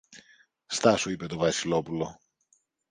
Στάσου, είπε το Βασιλόπουλο.